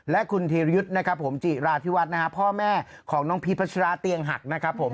และคุณธีรยุทธ์นะครับผมจิราธิวัฒน์นะฮะพ่อแม่ของน้องพีชพัชราเตียงหักนะครับผม